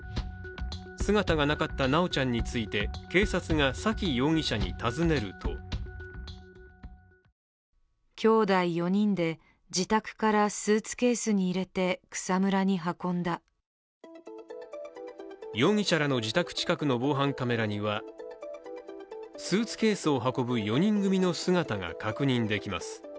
姿がなかった修ちゃんについて警察が沙喜容疑者に尋ねると容疑者らの自宅近くの防犯カメラにはスーツケースを運ぶ４人組の姿が確認できます。